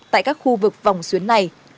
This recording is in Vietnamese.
tại các khu vực vòng xuyến này